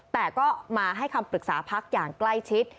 แต่ก็มาให้คำปรึกษาพักอย่างใกล้ชิด